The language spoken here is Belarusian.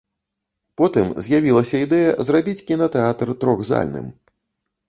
Потым з'явілася ідэя зрабіць кінатэатр трохзальным.